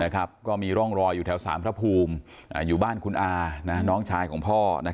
ก็มีร่องรอยอยู่แถวสารพระภูมิอยู่บ้านคุณอาน้องชายของพ่อ